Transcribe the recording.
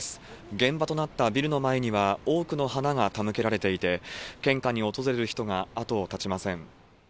現場となったビルの前には、多くの花が手向けられていて、献花に訪れる人が後を絶ちません。